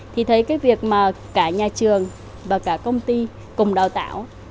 thì thấy cái việc mà cả nhà trường và cả công ty cùng đào tạo